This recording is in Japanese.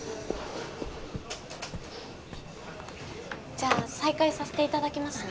じゃあ再開させていただきますね。